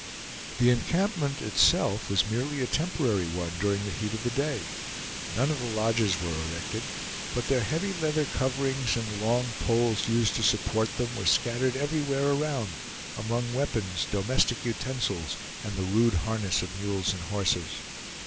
The encampment itself was merely a temporary one during the heat of the day. None of the lodges were erected; but their heavy leather coverings, and the long poles used to support them, were scattered everywhere around, among weapons, domestic utensils, and the rude harness of mules and horses.